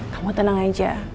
kamu tenang aja